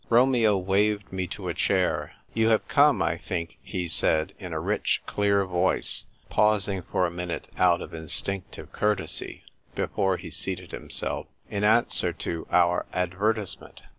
Romeo waved me to a chair. " You have come, I think," he said, in a rich, clear voice, pausing for a minute out of instinctive cour tesy before he seated himself, " in answer to our advertisement."